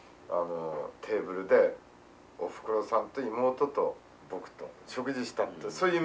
テーブルでおふくろさんと妹と僕と食事したってそういう夢見たわけ。